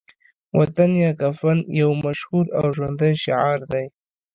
وطن یا کفن يو مشهور او ژوندی شعار دی